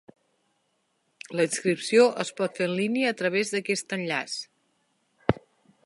La inscripció es pot fer en línia a través d’aquest enllaç.